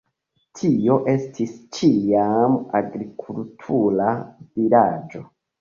Tio estis ĉiam agrikultura vilaĝo.